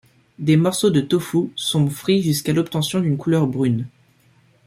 Des morceaux de tofu sont frits jusqu'à l'obtention d'une couleur brune.